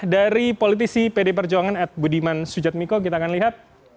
dari politisi pd perjuangan at budiman sujatmiko kita akan lihat